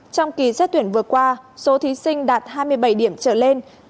trong kỳ xét tuyển vừa qua số thí sinh đạt hai mươi bảy điểm trở lên